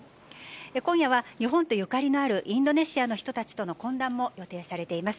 今夜は日本とゆかりのあるインドネシアの人たちとの懇談も予定されています。